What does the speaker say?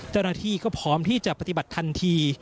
เจ้าหน้าที่ก็พร้อมที่จะปฏิบัติทันที